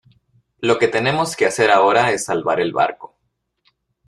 lo que tenemos que hacer ahora es salvar el barco.